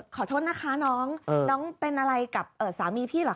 ขอโทษนะคะน้องน้องเป็นอะไรกับสามีพี่เหรอ